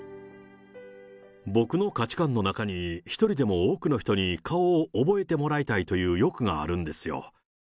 僕の価値観の中に、一人でも多くの人に顔を覚えてもらいたいという欲があるんですよ。